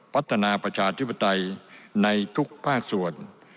พัฒนาประชาธิบดัยในทุกภาคส่วน